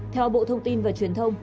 theo bộ thông tin và truyền thông